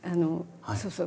そうそう。